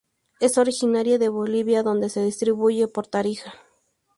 Es originaria de Bolivia, donde se distribuye por Tarija.